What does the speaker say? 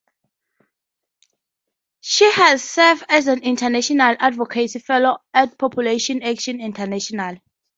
She has served as an international advocacy fellow at Population Action International.